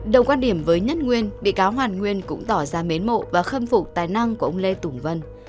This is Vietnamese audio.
đồng quan điểm với nhất nguyên bị cáo hoàn nguyên cũng tỏ ra mến mộ và khâm phục tài năng của ông lê tùng vân